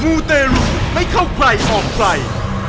มูเตรุไม่เข้าใครออกใคร